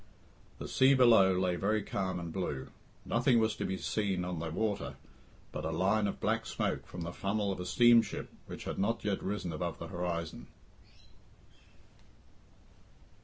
The sea below lay very calm and blue. Nothing was to be seen on the water but a line of black smoke from the funnel of a steamship which had not yet risen above the horizon.